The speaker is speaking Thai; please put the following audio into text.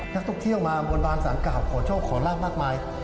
นักธกที่เข้ามาบนบานสรรคาปขอช่วงขอรากมากมาย